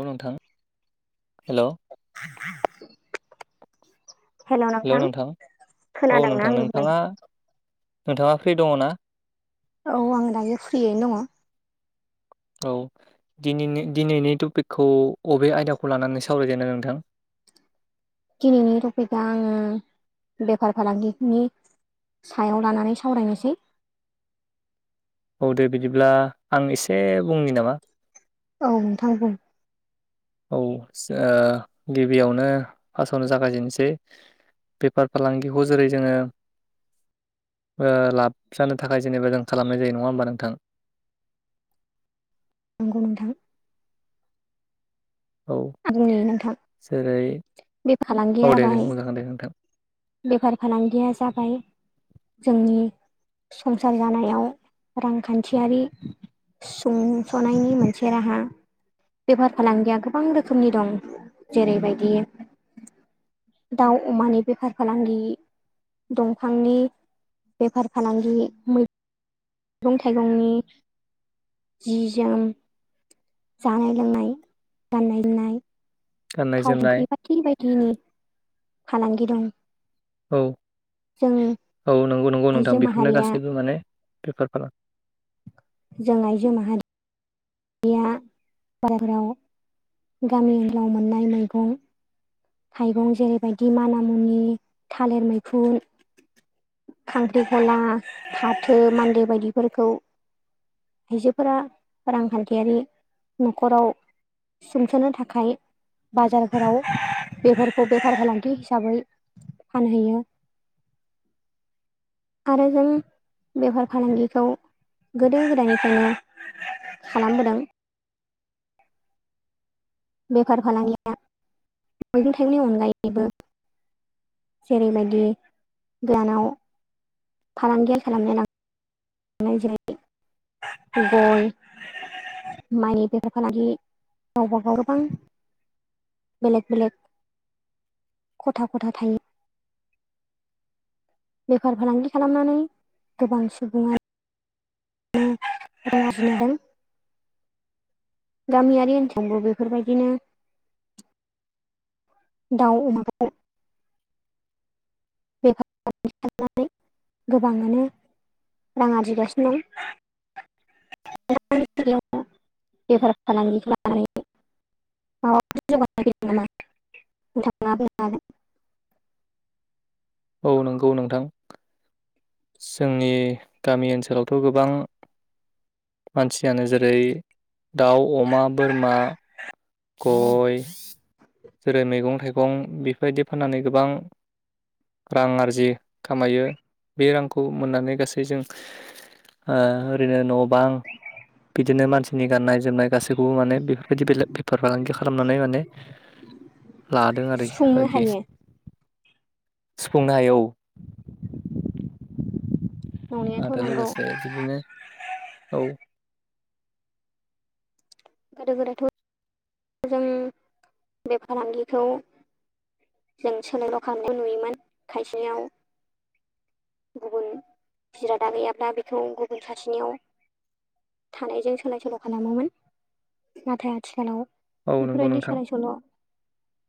औ नोंथां हेल' [inaudible] हेल' नोंथां औ खोनादोंना नोंथां आंनि बुंनाय? नोंथाङा नोंथाङा फ्रि दङ ना? औ आं दायो फ्रियैनो दङ। औ दिनिनि दिनैनि टपिकखौ अबे आयदाखौ लानानै सावरायजेननो नोंथां? [unintelligible] दिनैनि टपिकआ आङो बेफार फालांगिनि सायाव लानानै सावरायनोसै। औ दे बिदिब्ला आं एसे बुंनि नामा औ नोंथां बुं। औ ओ गिबियावनो फास्थआवनो जागायजेननोसै बेफार फालांगिखौ जेरै जोङो ओ लाब जानो थाखाय जेनेबा जों खालामनाय जायो नङा होमबा नोंथां। [unintelligible] नंगौ नोंथां। औ आं बुंनि नोंथां जेरै बे औ फालांगिया दे दे जाबाय। बुंजागोन दे नोंथां बेफार फालांगिया जाबाय जोंनि संसार जानायाव रांखान्थियारि सुंस'नायनि मोनसे राहा बेफार फालांगिया गोबां रोखोम रोखोमनि दं जेरैबायदि दाउ अमानि बेफार फालांगि दंफांनि बेफार फालांगि मै मैगं थाइगंनि जि जोम जानाय लोंनाय गाननाय जोमनाय गाननाय थाव जोमनाय ओंख्रि बायदि बायदिनि फालांगि दं औ जों औ नंगौ नंगौ नोंथां आइजो बेफोरनो माहारिया गासैबो माने बेफारफोरा जों आइजो माहारि या बाजारफोराव गामि ओनसोलाव मोननाय मैगं थाइगं जेरैबायदि मानामुनि थालिर मैखुन खांख्रिखला फाथो मान्दे बायदिफोरखौ आइजोफोरा रांखान्थियारि न'खराव सोंस'नो थाखाय बाजारफोराव बेफोरखौ बेफार फालांगि हिसाबै फानहैयो आरो जों बेफार फालांगिखौ गोदो गोदायनिफ्रायनो खालामबोदों बेफार फालांगिया मैगं थाइगंनि अनगायैबो जेरैबायदि [unintelligible] नाव फालांगिया खालामनो ला [unintelligible] गय मानि बेफार फालांगि गावबा गाव गोबां बेलेग बेलेग खथा खथा थायो। बेफार फालांगि खालामनानै गोबां सुबुङा रां आरजिनो हादों। गामियारि ओनसोलावबो बेफोरबायदिनो दाउ अमा खालामनानै गोबाङानो रां आरजिगासिनो दं [unintelligible] बेफार फालांगि खालामनानै [unintelligible] [inaudible] [inaudible] [unintelligible] औ नंगौ नोंथां। जोंनि गामि ओनसोलावथ' गोबां मानसियानो जेरै दाउ अमा बोरमा गय जेरै मैगं थाइगं बेफोरबायदि फाननानै गोबां रां आरजियो खामायो बे रांखौ मोननानै गासै जों ओ ओरैनो न' बां बिदिनो मानसिनि गाननाय जोमनाय गासैखौबो माने बेफोरबायदि बेले बेफार फालांगि खालामनानै माने लादों आरो सुफुंनो आरोखि हायो सुफुंनो हायो औ नंनायाथ' आरो नंगौ लोगोसे बिदिनो औ गोदो गोदायथ' जों बे फालांगिखौ जों सोलाय बोल खालामनायखौ नुयोमोन खायसेयाव गुबुन जिरादा गैयाब्ला बेखौ गुबुन सासेनियाव थानायजों सोलाय सोल' खालामोमोन नाथाय आथिखालाव औ नंगौ बेफोरबायदि नोंथां सोलाय सोल'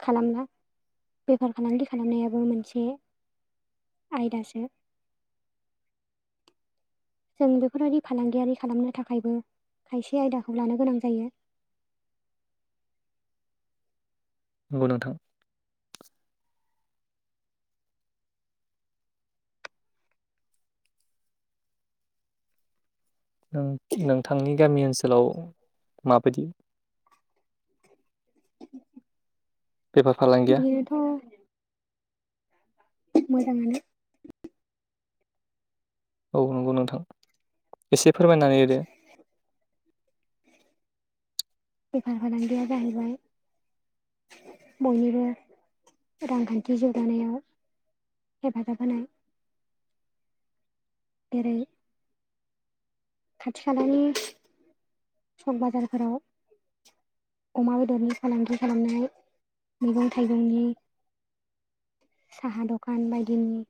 खालामना बेफार फालांगि खालामनायाबो मोनसे आयदासो। जों बेफोरबायाददि फालांगियारि खालामनो थाखायबो खायसे आयदाखौ लानो गोनां जायो। [inaudible] नंगौ नोंथां। नोंथांनि गामि ओनसोलाव माबायदि? [inaudible] बेफार फालांगिया? बेयोथ' मोजाङानो। औ नंगौ नोंथां एसे फोरमायनानै होदो। बेफार फालांगिया जाहैबाय बयनिबो रांखान्थि जौगानायाव हेफाजाबहोनाय जेरै खाथि खालानि सक बाजारफोराव अमा बेदरनि फालांगि खालामनाय मैगं थाइगंनि साहा दखान बायदिनि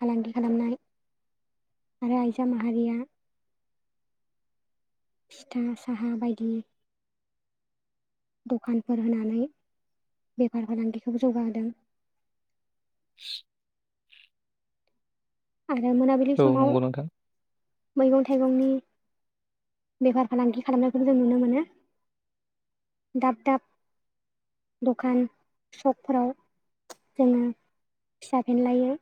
फालांगि खालामनाय। आरो आजा माहारिया फिथा साहा बायदि दखानफोर होनानै बेफार फालांगिखौ जौगाहोदों। [inaudible] आरो मोनाबिलि औ समाव नंगौ नोंथां मैगं थाइगंनि बेफार फालांगि खालामनायखौ जों नुनो मोनो। दाब दाब दखान सकफोराव जोङो फिसा फेनलायै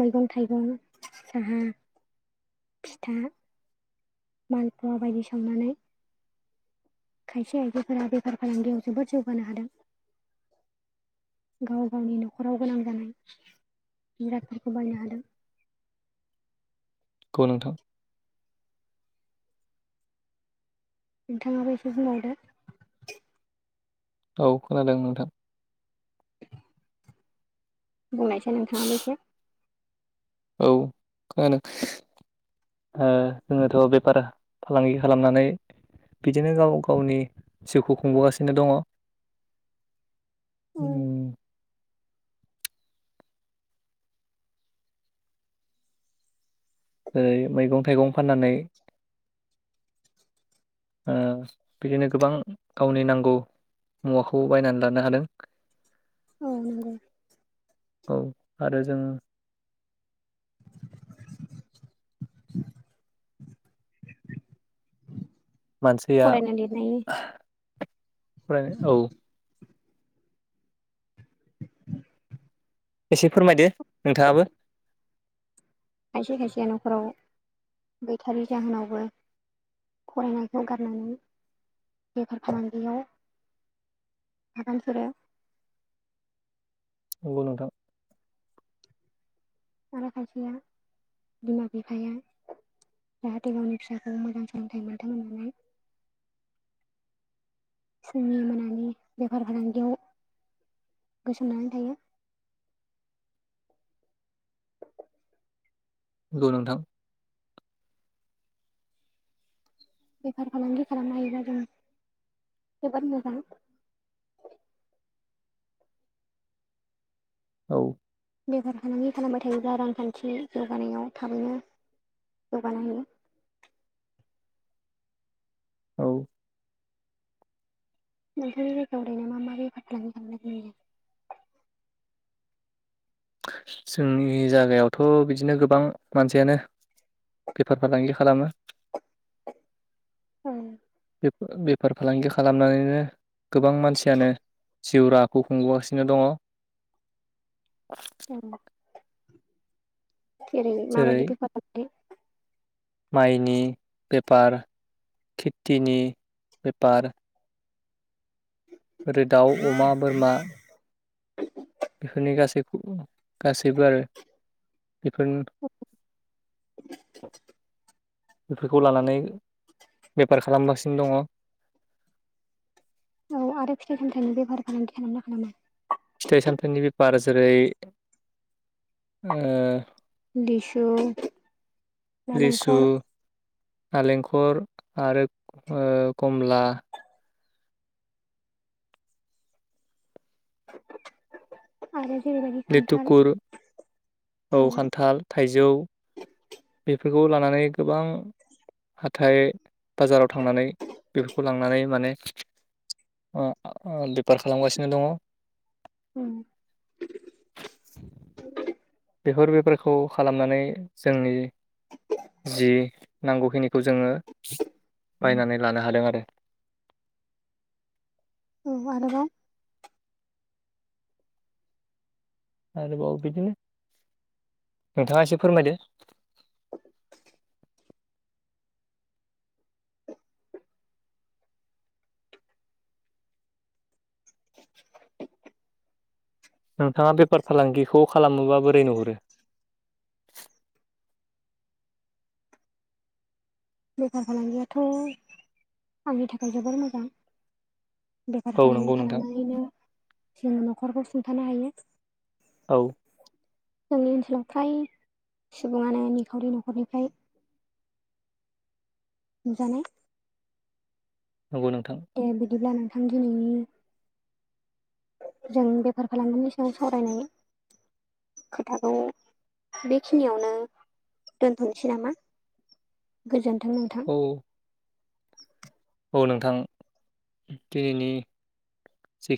मैगं थाइगं साहा फिथा मालपवा बायदि सावनानै खायसे आयदिफोरा बेफार फालांगियाव जोबोद जौगानो हादों। गाव गावनि न'खराव गोनां जानाय। जिरादफोरखौ बायनो हादों। खौ नोंथां नोंथाङाबो एसे बुंबावदो। औ खोनादों नोंथां। बुंनायसै नोंथाङाबो एसो औ खोनादों ओ जोङोथ' बेफार फालांगि खालामनानै बिदिनो गाव गावनि जिउखौ खुंबोगासिनो दङ। औ उम जेरै मैगं थाइगं फाननानै ओ बिदिनो गोबां गावनि नांगौ मुवाखौ बायनानै लानो हादों। औ नंगौ। औ आरो जोङो मानसिया फरायनाय लिरनायनि [unintelligible] फराय औ। एसे फोरमायदो नोंथाङाबो। खायसे खायसे न'खराव गैथारि जाहोनावबो फरायनायखौ गारनानै बेफार फालांगियाव [unintelligible] नंगौ नोंथां। आरो खायसेया बिमा बिफाया जाहाथे गावनि फिसाखौ मोजां सोलोंथाइ मोनथों होननानै [inaudible] फुंनि मोनानि बेफार फालांगियाव गोसोमनानै थायो। गौ नोंथां। बेफार फालांगि खालामनो हायोबा जों जोबोद मोजां। औ बेफार फालांगि खालामबाय थायोब्ला रांखान्थि जौगानायाव थाबैनो जौगानो हायो। औ नोंथांनि जायगायाव ओरैनो मा मा बेफार खालामनाय जायो? जोंनि जागायावथ' बिदिनो गोबां मानसियानो बेफार फालांगि खालामो। औ बेफार फालांगि खालामनानैनो गोबां मानसियानो जिउ राहाखौ खुंबोगासिनो दङ। उम जेरै माबायदि बेफार फालांगि? माइनि बेपार खिथिनि बेपार ओरै दाउ अमा बोरमा बेफोरनि गासैखौबो गासैबो आरो बेफोरनो बेफोरखौ लानानै बेफार खालामगासिनो दङ। औ आरो फिथाइ सामथाइनि बेफार फालांगि खालामो ना खालामा? फिथाइ सामथाइनि बेफार जेरै ओ लिसु लिसु नालेंखर नालेंखर आरो ओ कमला [inaudible] आरो जेरैबायदि खान्थाल लिथुकुर औ खान्थाल थाइजौ फोरखौ लानानै गोबां हाथाय बाजाराव थांनानै बेफोरखौ लांनानै माने अ [unintelligible] पार खालामगासिनो दङ। उम बेफोर बेफारखौ खालामनानै जोंनि जि नांगौखिनिखौ जोङो बायनानै लानो हादों आरो। औ आरोबाव आरोबाव बिदिनो नोंथाङा एसे फोरमायदो। [inaudible] नोंथाङा बेफार फालांगिखौ खालामोबा बोरै नुहुरो? [inaudible] बेफार फालांगियाथ' आंनि थाखाय जोबोर मोजां। बेफार औ नंगौ फालांगि नोंथां खालामनानैनो जोङो न'खरखौ सुंथानो हायो। औ। जोंनि ओनसोलाव फ्राय सुबुङानो निखावरि न'खरनिफ्राय [inaudible] नुजानाय नंगौ नोंथां दे बिदिब्ला नोंथां दिनैनि जों बेफार फालांगिनि सायाव सावरायनाय खोथाखौ बे खिनियावनो दोनथ'सै नामा? गोजोंन्थों नोंथां। [inaudible] औ औ नोंथां दिनैनि जि